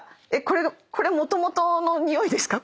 これもともとのにおいですか？